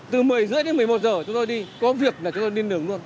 từ một mươi h ba mươi đến một mươi một giờ chúng tôi đi có việc là chúng tôi đi nương luôn